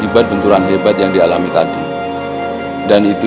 j revenues jangan peduli di kosongnya